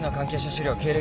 資料経歴